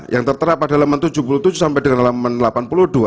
yang tertera pada halaman tujuh puluh tujuh sampai dengan halaman delapan puluh dua